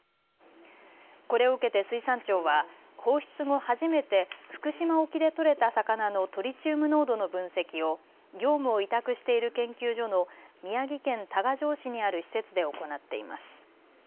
これを受けて水産庁は放出後初めて福島沖で取れた魚のトリチウム濃度の分析を業務を委託している研究所の宮城県多賀城市にある施設で行っています。